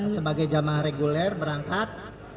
sebagai jamaah reguler berangkat